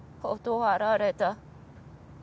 断られた。